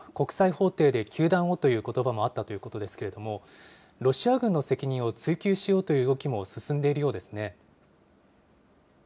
その国際法廷で糾弾をという声もあったということですけれども、ロシア軍の責任を追及しようという動きも進んでいるようです